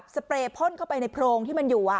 เปรย์พ่นเข้าไปในโพรงที่มันอยู่